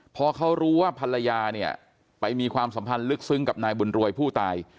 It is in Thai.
พอเขารู้ว่าภรรยาเนี่ยไปมีความสัมพันธ์ลึกซึ้งกับนายบุญรวยผู้ตาย